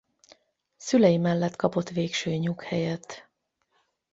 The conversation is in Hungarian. Szülei mellett kapott végső nyughelyet.